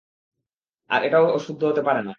আর এটাও শুদ্ধ হতে পারে না।